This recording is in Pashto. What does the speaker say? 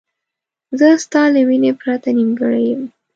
زه ستا له مینې پرته نیمګړی یم.